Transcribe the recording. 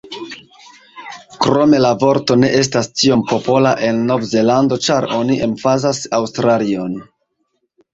Krome la vorto ne estas tiom popola en Novzelando ĉar oni emfazas Aŭstralion.